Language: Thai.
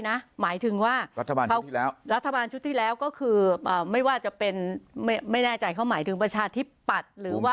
รัฐบาลชุดที่แล้วก็คือไม่ว่าจะเป็นไม่แน่ใจเขาหมายถึงประชาธิปฏศ